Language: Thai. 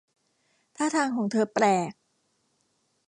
ท่าทางของเธอแปลก